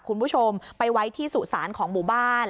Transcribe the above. คุณผู้ชมไปไว้ที่สุสานของหมู่บ้าน